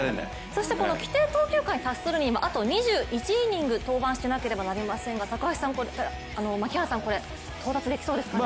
そして規定投球回に達するにはあと２１イニング登板しなければなりませんがこれ、到達できそうですかね。